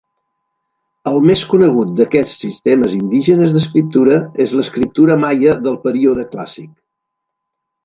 El més conegut d'aquests sistemes indígenes d'escriptura és l'escriptura maia del període Clàssic.